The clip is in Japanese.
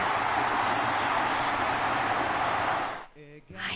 はい。